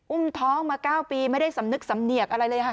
อุ้มท้องมา๙ปีไม่ได้สำนึกสำเนียกอะไรเลยค่ะ